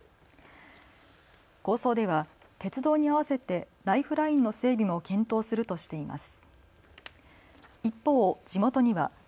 構想では鉄道に合わせてライフラインの整備も検討するとしています。